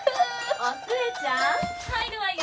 ・お寿恵ちゃん入るわよ！